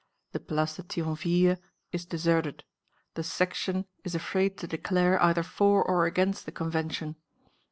The Place de Thionville is deserted. The Section is afraid to declare either for or against the Convention.